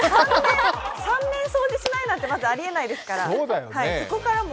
３年掃除しないなんてまずありえないですからそこからもう。